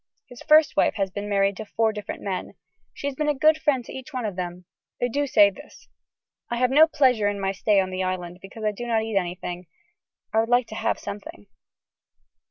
His first wife has been married to four different men. She has been a good friend to each one of them. They do say this. I have no pleasure in my stay on the Island because I do not eat anything. I would like to have something.